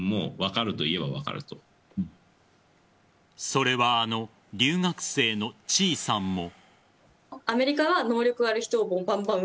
それはあの留学生のちーさんも。